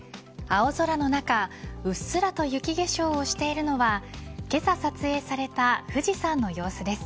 青空の中うっすらと雪化粧をしているのはけさ撮影された富士山の様子です。